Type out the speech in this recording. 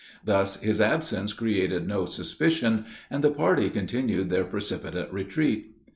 Thus his absence created no suspicion, and the party continued their precipitate retreat.